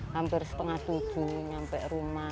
hampir setengah tujuh sampai rumah